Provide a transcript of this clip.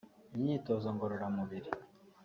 imyitozo ngororamubiri